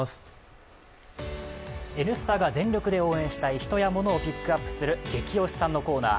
「Ｎスタ」が全力で応援したい人やモノをピックアップするゲキ推しさんのコーナー。